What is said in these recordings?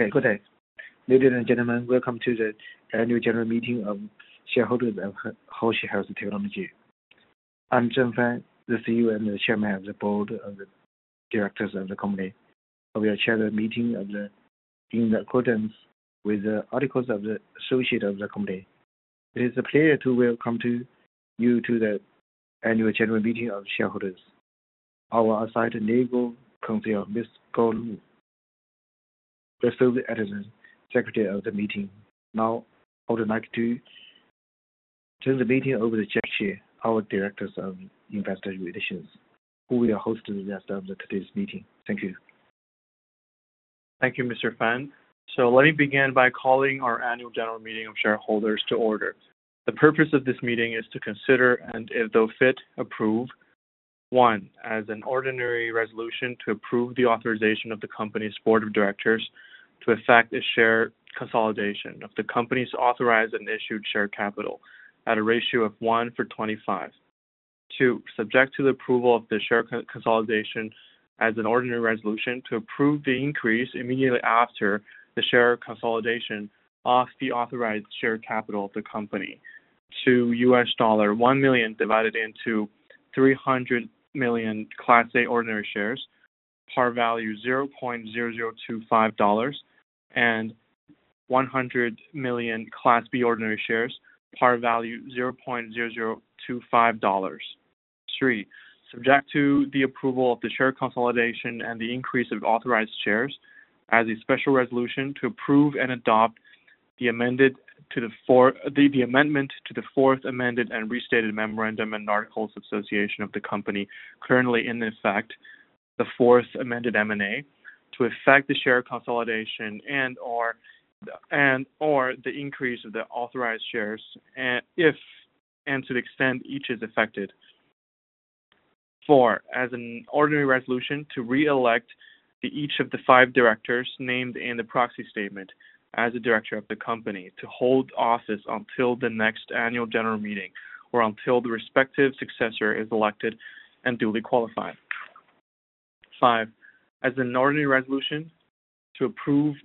Okay. Good day. Ladies and gentlemen, welcome to the Annual General Meeting of shareholders of Haoxi Health Technology. I'm Zhen Fan, the CEO and the Chairman of the Board of Directors of the company. We are chairing the meeting in accordance with the Articles of Association of the company. It is a pleasure to welcome you to the Annual General Meeting of shareholders. Our outside legal counsel, Ms. Goh Lu, the service advisor, secretary of the meeting. Now, I would like to turn the meeting over to Jack Shi, our Director of Investor Relations, who will host the rest of today's meeting. Thank you. Thank you, Mr. Fan. So let me begin by calling our Annual General Meeting of shareholders to order. The purpose of this meeting is to consider, and if thought fit, approve. One, as an ordinary resolution to approve the authorization of the company's Board of Directors to effect the share consolidation of the company's authorized and issued share capital at a ratio of 1 for 25. Two, subject to the approval of the share consolidation as an ordinary resolution to approve the increase immediately after the share consolidation of the authorized share capital of the company to $1 million divided into 300 million Class A ordinary shares, par value $0.0025, and 100 million Class B ordinary shares, par value $0.0025. Three, subject to the approval of the share consolidation and the increase of authorized shares as a special resolution to approve and adopt the amendment to the fourth amended and restated Memorandum and Articles of Association of the company currently in effect, the fourth amended M&A, to effect the share consolidation and/or the increase of the authorized shares and to the extent each is effected. Four, as an ordinary resolution to re-elect each of the five directors named in the proxy statement as a director of the company to hold office until the next Annual General Meeting or until the respective successor is elected and duly qualified. Five, as an ordinary resolution to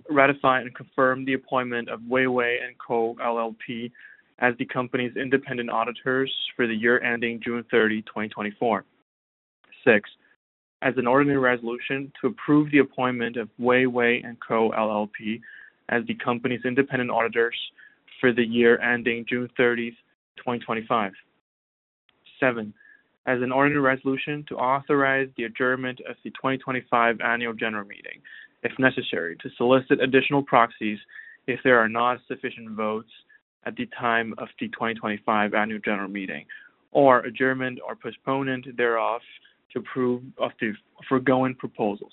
ratify and confirm the appointment of Wei, Wei & Co., LLP as the company's independent auditors for the year ending June 30, 2024. Six, as an ordinary resolution to approve the appointment of Wei, Wei & Co., LLP as the company's independent auditors for the year ending June 30, 2025. Seven, as an ordinary resolution to authorize the adjournment of the 2025 Annual General Meeting, if necessary, to solicit additional proxies if there are not sufficient votes at the time of the 2025 Annual General Meeting, or adjournment or postponement thereof to foregoing proposals.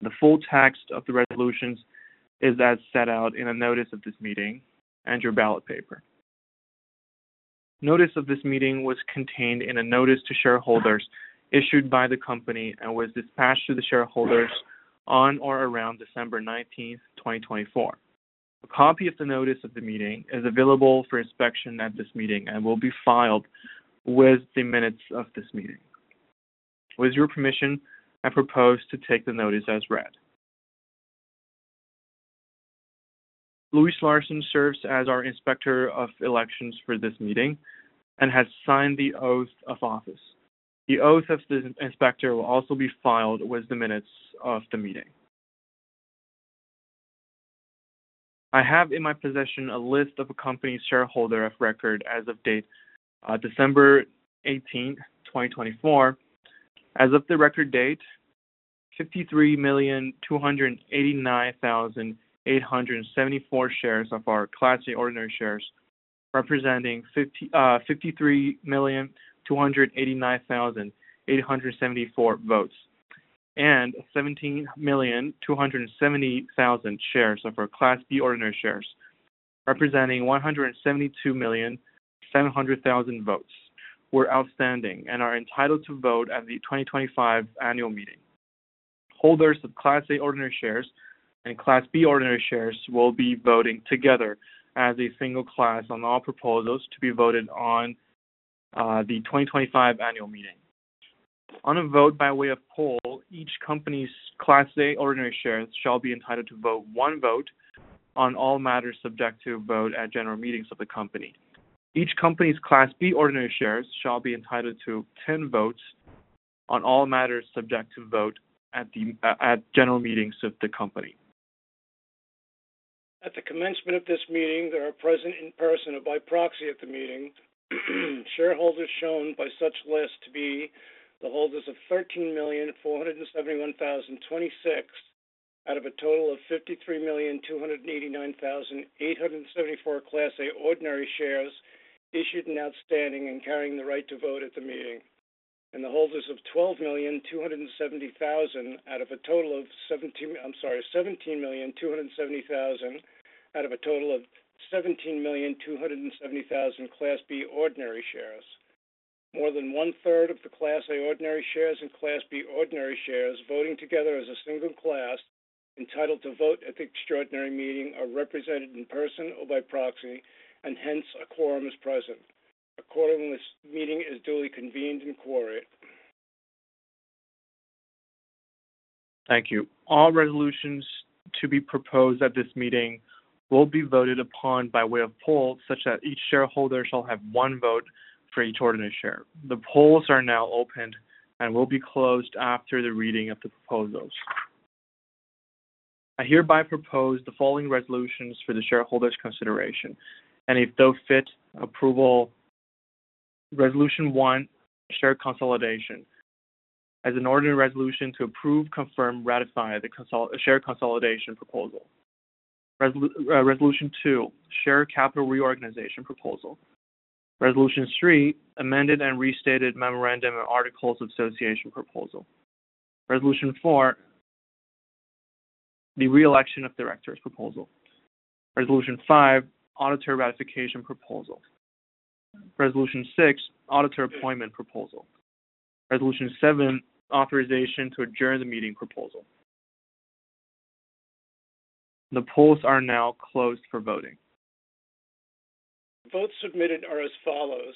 The full text of the resolutions is as set out in a notice of this meeting and your ballot paper. Notice of this meeting was contained in a notice to shareholders issued by the company and was dispatched to the shareholders on or around December 19, 2024. A copy of the notice of the meeting is available for inspection at this meeting and will be filed with the minutes of this meeting. With your permission, I propose to take the notice as read. Louis Larson serves as our inspector of elections for this meeting and has signed the oath of office. The oath of the inspector will also be filed with the minutes of the meeting. I have in my possession a list of the company's shareholders of record as of the record date December 18, 2024. As of the record date, 53,289,874 shares of our Class A ordinary shares representing 53,289,874 votes and 17,270,000 shares of our Class B ordinary shares representing 172,700,000 votes were outstanding and are entitled to vote at the 2025 annual meeting. Holders of Class A ordinary shares and Class B ordinary shares will be voting together as a single class on all proposals to be voted on at the 2025 annual meeting. On a vote by way of poll, each company's Class A ordinary shares shall be entitled to vote one vote on all matters subject to vote at general meetings of the company. Each company's Class B ordinary shares shall be entitled to 10 votes on all matters subject to vote at general meetings of the company. At the commencement of this meeting, there are present in person or by proxy at the meeting shareholders shown by such list to be the holders of 13,471,026 out of a total of 53,289,874 Class A ordinary shares issued and outstanding and carrying the right to vote at the meeting, and the holders of 12,270,000 out of a total of 17, I'm sorry, 17,270,000 out of a total of 17,270,000 Class B ordinary shares. More than one-third of the Class A ordinary shares and Class B ordinary shares voting together as a single class entitled to vote at the extraordinary meeting are represented in person or by proxy, and hence a quorum is present. Accordingly, this meeting is duly convened and quorate. Thank you. All resolutions to be proposed at this meeting will be voted upon by way of poll such that each shareholder shall have one vote for each ordinary share. The polls are now opened and will be closed after the reading of the proposals. I hereby propose the following resolutions for the shareholders' consideration and if those fit, approval. Resolution One, Share Consolidation as an Ordinary Resolution to Approve, Confirm, Ratify the Share Consolidation Proposal. Resolution Two, Share Capital Reorganization Proposal. Resolution Three, Amended and Restated Memorandum and Articles of Association Proposal. Resolution Four, The Re-election of Directors Proposal. Resolution Five, Auditor Ratification Proposal. Resolution Six, Auditor Appointment Proposal. Resolution Seven, Authorization to Adjourn the Meeting Proposal. The polls are now closed for voting. The votes submitted are as follows.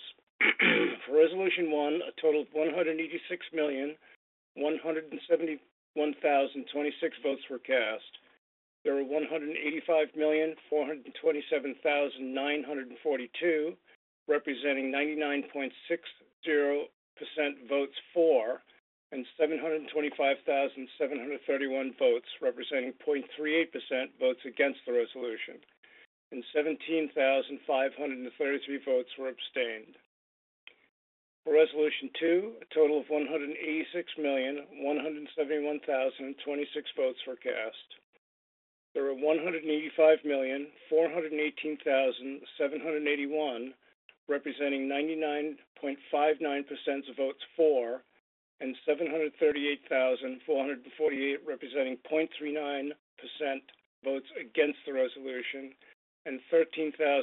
For Resolution One, a total of 186,171,026 votes were cast. There were 185,427,942 representing 99.60% votes for and 725,731 votes representing 0.38% votes against the resolution, and 17,533 votes were abstained. For Resolution Two, a total of 186,171,026 votes were cast. There were 185,418,781 representing 99.59% votes for and 738,448 representing 0.39% votes against the resolution, and 13,797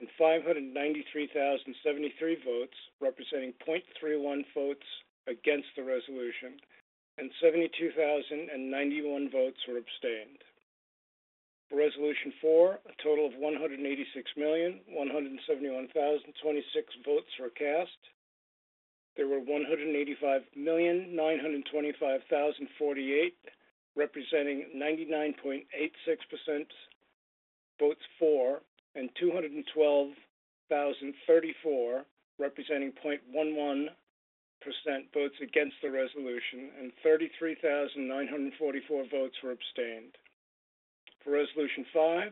votes were abstained. For Resolution Three, a total of 186,171,026 votes were cast. There were 185,505,862 representing 99.64% votes for and 593,073 votes representing 0.31% votes against the resolution, and 72,091 votes were abstained. For Resolution Four,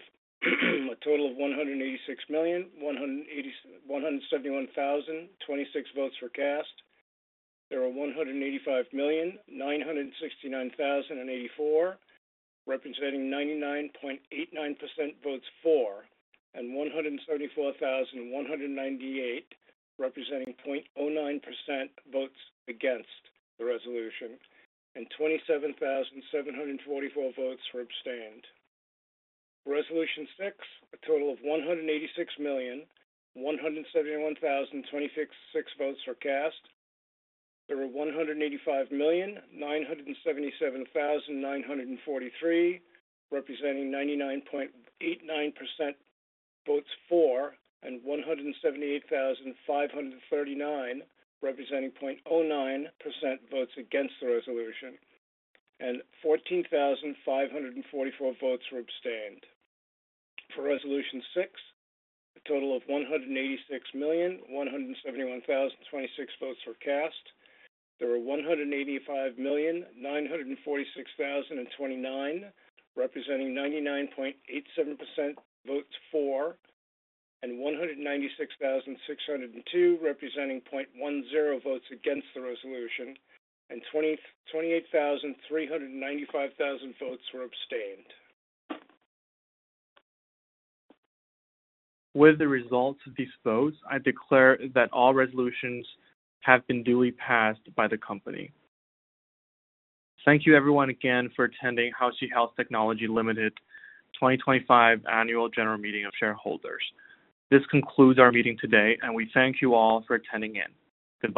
a total of 186,171,026 votes were cast. There were 185,925,048 representing 99.86% votes for and 212,034 representing 0.11% votes against the resolution, and 33,944 votes were abstained. For Resolution Five, a total of 186,171,026 votes were cast. There were 185,969,084 representing 99.89% votes for and 174,198 representing 0.09% votes against the resolution, and 27,744 votes were abstained. For Resolution Six, a total of 186,171,026 votes were cast. There were 185,977,943 representing 99.89% votes for and 178,539 representing 0.09% votes against the resolution, and 14,544 votes were abstained. For Resolution Six, a total of 186,171,026 votes were cast. There were 185,946,029 representing 99.87% votes for and 196,602 representing 0.10% votes against the resolution, and 28,395,000 votes were abstained. With the results of these votes, I declare that all resolutions have been duly passed by the company. Thank you, everyone, again for attending Haoxi Health Technology Limited's 2025 Annual General Meeting of Shareholders. This concludes our meeting today, and we thank you all for attending in. Goodbye.